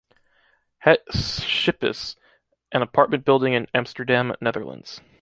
Het Schipis an apartment building in Amsterdam, Netherlands.